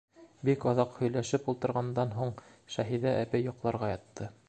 Бик оҙаҡ һөйләшеп ултырғандан һуң, Шәһиҙә әбей йоҡларға ятты.